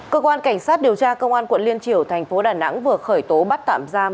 cơ quan cảnh sát điều tra công an quận liên triều thành phố đà nẵng vừa khởi tố bắt tạm giam